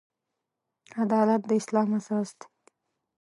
عدالت د اسلام اساس دی.